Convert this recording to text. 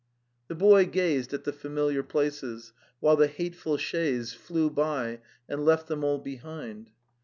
The boy gazed at the familiar places, while the hateful chaise flew by and left them all behind.